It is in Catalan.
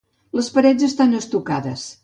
Les parets estan estucades.